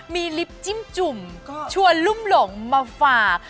มีลิฟต์จิ้มจุ่มชวนลุ่มหลงมาฝาก